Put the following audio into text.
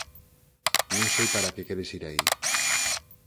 Non sei para que queres ir aí.